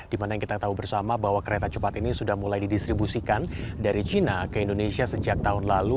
dimana yang kita tahu bersama bahwa kereta cepat ini sudah mulai didistribusikan dari cina ke indonesia sejak tahun lalu